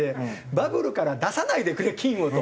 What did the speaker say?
バブルから出さないでくれ菌をと。